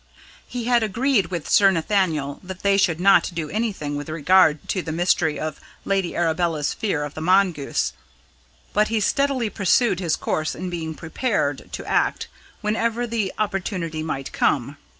He had agreed with Sir Nathaniel that they should not do anything with regard to the mystery of Lady Arabella's fear of the mongoose, but he steadily pursued his course in being prepared to act whenever the opportunity might come.